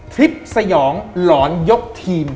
คลิปสยองหลอนยกทีม